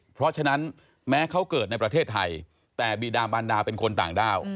เพราะฉะนั้นแม้เขาเกิดในประเทศไทยแต่บีดามันดาเป็นคนต่างด้าว